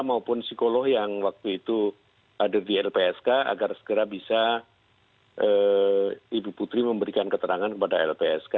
maupun psikolog yang waktu itu hadir di lpsk agar segera bisa ibu putri memberikan keterangan kepada lpsk